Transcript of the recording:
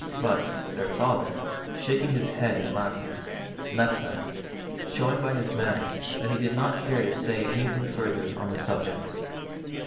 But, their father, shaking his head and laughing, left them, sliow 102 PLANS FOR A JOURNEY ing by liis manner that he did not care to say anything further on the subject.